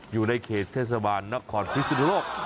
อยู่ในเขตเทศบาลนักขอร์ดพิษฎุโลก